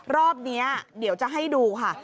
รอบนี้เดี๋ยวจะให้ดูค่ะ